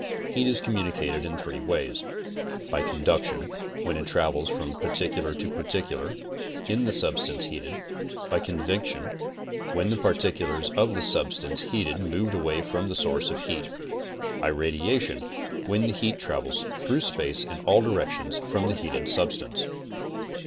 Heat is communicated in three ways: by conduction, when it travels from partical to partical in the sub stance heated; by convection, when the particals of the substance heated move away from the sourre of heat; by radiation, when heat travels through space in all directions from the heated sub stance.